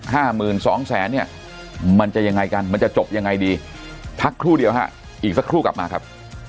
ห้าหมื่นสองแสนเนี่ยมันจะยังไงกันมันจะจบยังไงดีพักครู่เดียวฮะอีกสักครู่กลับมาครับ